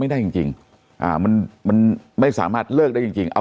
มันลดไม่ได้จริงมันไม่สามารถเลิกได้จริง